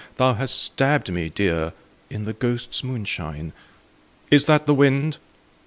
Thou hast stabbed me dear. In the ghosts' moonshine. Is that the wind